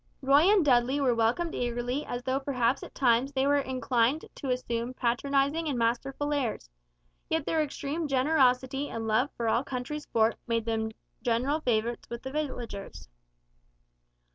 Roy and Dudley were welcomed eagerly as though perhaps at times they were inclined to assume patronizing and masterful airs; yet their extreme generosity and love for all country sport made them general favorites with the villagers.